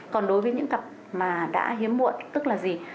còn đối với những cặp mà đã hiếm muộn tức là gì